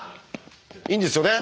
いいんですよね？